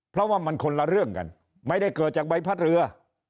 เพราะว่ามันคนละเรื่องกันไม่ได้เกิดจากใบพัดเรือ